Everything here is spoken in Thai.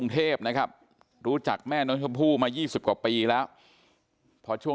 แม่น้องชมพู่แม่น้องชมพู่แม่น้องชมพู่แม่น้องชมพู่